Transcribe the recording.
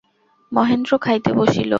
মহেন্দ্র খাইতে বসিল।